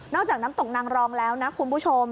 จากน้ำตกนางรองแล้วนะคุณผู้ชม